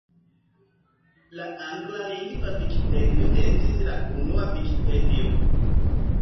La anglalingva Vikipedio estis la unua Vikipedio.